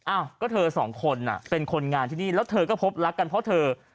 อ้าวก็เธอสองคนเป็นคนงานที่นี่แล้วเธอก็พบรักกันเพราะเธอ